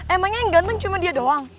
emangnya yang gantung cuma dia doang